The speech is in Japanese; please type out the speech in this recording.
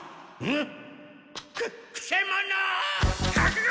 んっ？